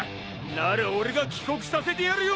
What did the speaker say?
なら俺が帰国させてやるよ。